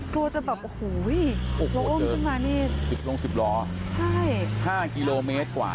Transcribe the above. กลัวจะแบบโอโหโรงอ้มขึ้นมานี่ทิบลงทิบลองใช่๕๐๐กิโลเมตรกว่า